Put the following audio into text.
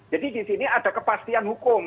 jadi di sini ada kepastian hukum